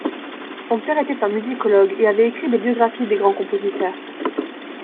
Son père était un musicologue et avait écrit des biographies des grands compositeurs.